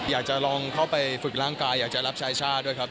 อยากจะลองเข้าไปฝึกร่างกายอยากจะรับชายชาติด้วยครับ